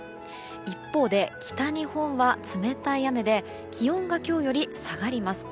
一方で、北日本は冷たい雨で気温が今日より下がります。